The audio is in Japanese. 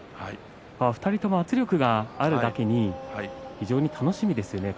２人とも圧力があるだけに非常に楽しみですね。